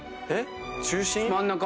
えっ？中心？